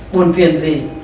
buồn phiền gì